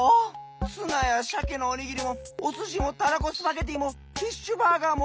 ツナやしゃけのおにぎりもおすしもたらこスパゲティーもフィッシュバーガーも！